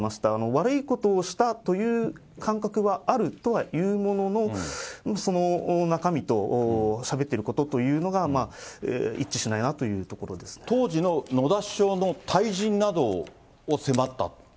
悪いことをしたという感覚はあるとはいうものの、その中身としゃべっていることというのが、一致しないなというと当時の野田首相の退陣などを迫った。